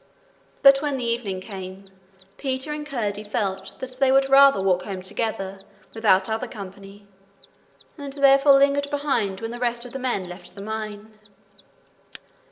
But when the evening came, Peter and Curdie felt that they would rather walk home together without other company, and therefore lingered behind when the rest of the men left the mine.